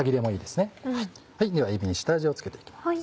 ではえびに下味を付けて行きます。